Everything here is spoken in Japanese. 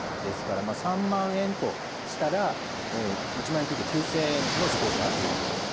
ですから３万円としたら１万円切って９，０００円の自己負担ということ。